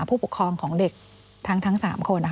ผู้ปกครองของเด็กทั้ง๓คน